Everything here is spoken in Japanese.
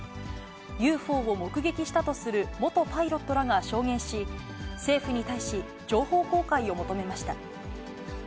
ＵＦＯを目撃したとする元パイロットらが証言し、政府に対し情報公開を求めました。